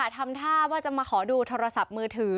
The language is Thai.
ทำท่าว่าจะมาขอดูโทรศัพท์มือถือ